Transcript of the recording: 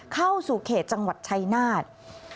เข้าสู่เขตจังหวัดชัยนาธ